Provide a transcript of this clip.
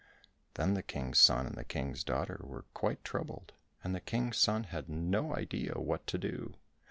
Then the King's son and the King's daughter were quite troubled, and the King's son had no idea what to do.